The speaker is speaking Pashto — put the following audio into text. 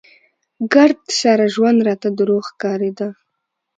ګرد سره ژوند راته دروغ ښکارېده.